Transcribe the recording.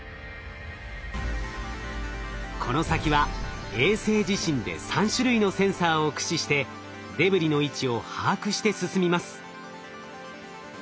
この先は衛星自身で３種類のセンサーを駆使してデブリの位置を把握して進みます。